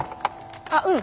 あっうん。